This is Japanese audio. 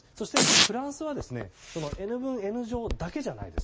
フランスはＮ分Ｎ乗だけじゃないです。